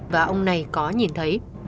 và ông này có nhìn thấy